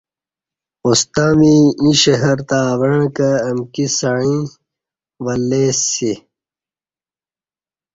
اوستں می ییں شہر تہ اوعں کہ امکی سعیں ولیسی